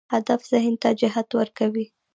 هدف ذهن ته جهت ورکوي.